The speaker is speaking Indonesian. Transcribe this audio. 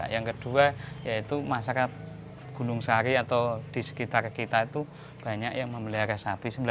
yang kedua yaitu masyarakat gunung sari atau di sekitar kita itu banyak yang memelihara sapi